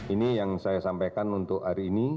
ini yang saya sampaikan untuk hari ini